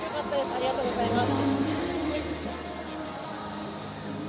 ありがとうございます。